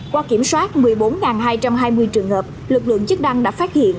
qua kiểm soát một mươi bốn hai trăm hai mươi trường hợp lực lượng chức năng đã phát hiện